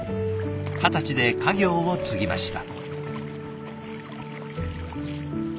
二十歳で家業を継ぎました。